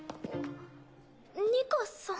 ニカさん？